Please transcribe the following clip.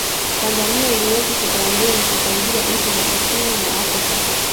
Tanzania iliweka kipaumbele kusaidia nchi za kusini mwa Afrika